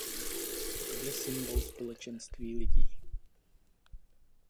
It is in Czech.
To je symbol Společenství lidí.